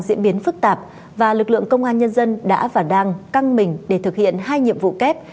diễn biến phức tạp và lực lượng công an nhân dân đã và đang căng mình để thực hiện hai nhiệm vụ kép